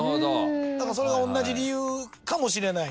それが同じ理由かもしれない。